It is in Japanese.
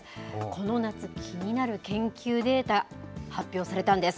この夏、気になる研究データ、発表されたんです。